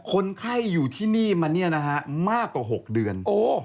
คนไข้อยู่ที่นี่มามากกว่า๖เดือน